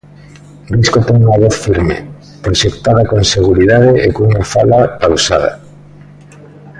Risco ten unha voz firme, proxectada con seguridade e cunha fala pausada.